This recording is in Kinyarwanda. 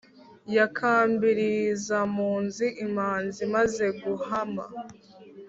Ya Kambilizampunzi, imanzi maze guhama